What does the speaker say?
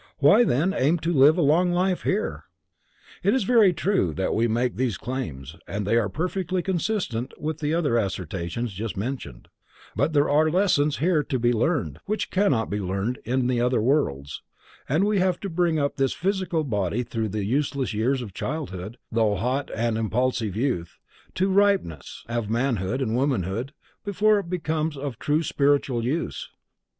Why then aim to live a long life here? It is very true that we make these claims, and they are perfectly consistent with the other assertions just mentioned, but there are lessons to be learned here which cannot be learned in the other worlds, and we have to bring up this physical body through the useless years of childhood, through hot and impulsive youth, to the ripeness of manhood or womanhood, before it becomes of true spiritual use.